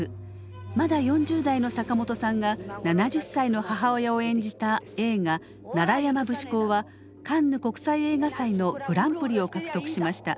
まだ４０代の坂本さんが７０歳の母親を演じた映画「楢山節考」はカンヌ国際映画祭のグランプリを獲得しました。